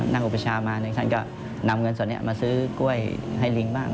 อุปชามาท่านก็นำเงินส่วนนี้มาซื้อกล้วยให้ลิงบ้าง